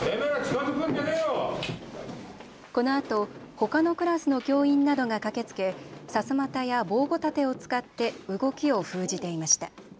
このあと、ほかのクラスの教員などが駆けつけ、さすまたや防護盾を使って動きを封じていました。